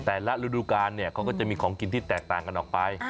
แต่ละฤดูกาหรอกก็จะมีของกินที่แตกต่างกันออกไป